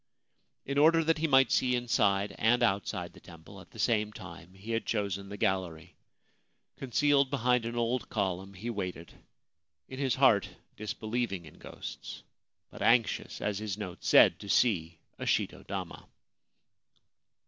In order that he might see inside and outside the temple at the same time, he had chosen the gallery. Concealed behind an old column, he waited, in his heart disbelieving in ghosts, but anxious, as his notes said, to see a shito dama.